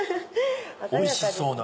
おいしそうな！